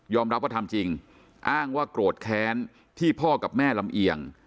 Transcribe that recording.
รับว่าทำจริงอ้างว่าโกรธแค้นที่พ่อกับแม่ลำเอียง